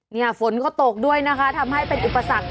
ฝนก็ตกด้วยนะคะทำให้เป็นอุปสรรค